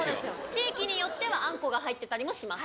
地域によってはあんこが入ってたりもします。